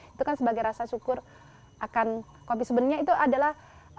itu kan sebagai rasa syukur akan kopi sebenarnya itu adalah